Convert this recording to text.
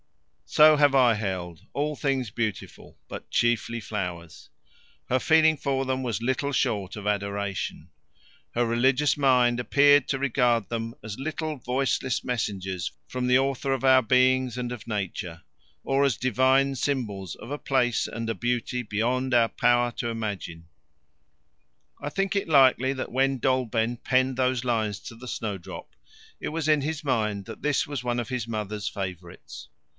So have I held. All things beautiful, but chiefly flowers. Her feeling for them was little short of adoration. Her religious mind appeared to regard them as little voiceless messengers from the Author of our beings and of Nature, or as divine symbols of a place and a beauty beyond our power to imagine. I think it likely that when Dolben penned those lines to the Snowdrop it was in his mind that this was one of his mother's favourites.